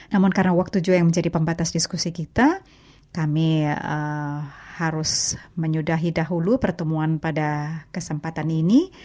namun karena waktu juga yang menjadi pembatas diskusi kita kami harus menyudahi dahulu pertemuan pada kesempatan ini